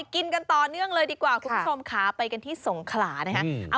กินกันต่อเนื่องเลยดีกว่าคุณผู้ชมค่ะไปกันที่สงขลานะคะ